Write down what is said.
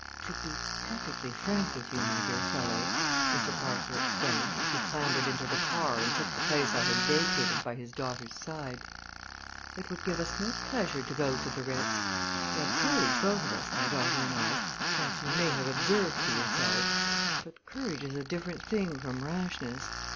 "To be perfectly frank with you, my dear fellow," Mr. Parker explained, as he clambered into the car and took the place I had vacated by his daughter's side, "it would give us no pleasure to go to the Ritz. We have courage, both of us my daughter and I as you may have observed for yourself; but courage is a different thing from rashness.